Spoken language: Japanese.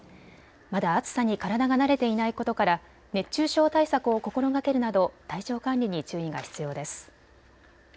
まだ暑さに体が慣れていないことから熱中症対策を心がけるなど体調管理に注意が必要です。